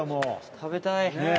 食べたい。